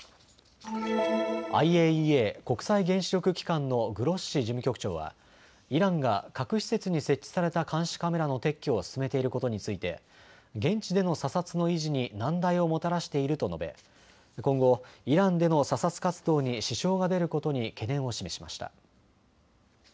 ＩＡＥＡ・国際原子力機関のグロッシ事務局長はイランが核施設に設置された監視カメラの撤去を進めていることについて現地での査察の維持に難題をもたらしていると述べ、今後、イランでの査察活動に支障が出ることに懸念を示しました。